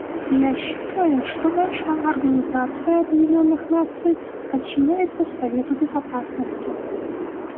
Я считаю, что наша Организация Объединенных Наций подчиняется Совету Безопасности.